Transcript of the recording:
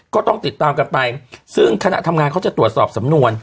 ก็ต้องติดตามกันไปซึ่งคณะทำงานเขาจะตรวจสอบสำนวน